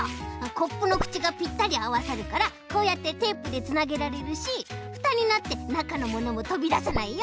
コップのくちがぴったりあわさるからこうやってテープでつなげられるしフタになってなかのものもとびださないよ。